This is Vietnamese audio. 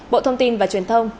bộ thông tin và truyền thông